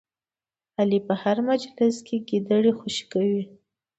علي په هر مجلس کې ګیدړې خوشې کوي.